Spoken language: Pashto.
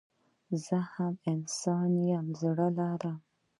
زه هم انسان يم زړه لرم